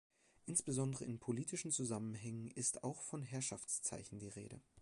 Insbesondere in politischen Zusammenhängen ist auch von Herrschaftszeichen die Rede.